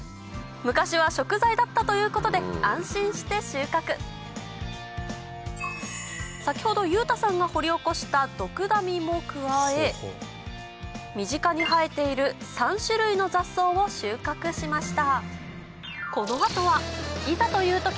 昔は食材だったということで安心して収穫先ほど裕太さんが掘り起こしたドクダミも加え身近に生えている３種類の雑草を収穫しました